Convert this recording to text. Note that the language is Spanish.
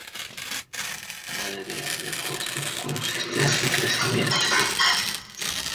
Es un árbol maderable por su consistencia y crecimiento.